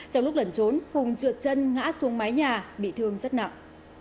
trong lúc lẩn trốn hùng trượt chân ngã xuống mái nhà bị thương rất nặng